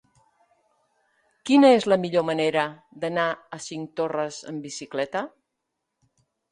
Quina és la millor manera d'anar a Cinctorres amb bicicleta?